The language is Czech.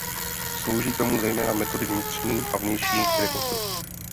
Slouží k tomu zejména metody vnitřní a vnější rekonstrukce.